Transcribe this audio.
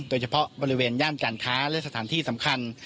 โดยเฉพาะบริเวณย่านการค้าและสถานที่สำคัญ